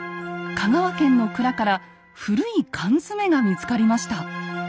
香川県の蔵から古い缶詰が見つかりました。